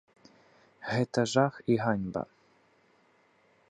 Гэта жах і ганьба.